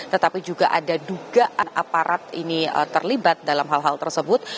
tetapi juga ada dugaan aparat ini terlibat dalam hal hal tersebut